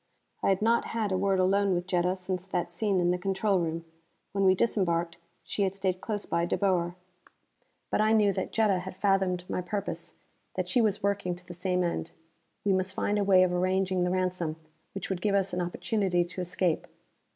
I had not had a word alone with Jetta since that scene in the control room. When we disembarked, she had stayed close by De Boer. But I knew that Jetta had fathomed my purpose, that she was working to the same end. We must find a way of arranging the ransom which would give us an opportunity to escape.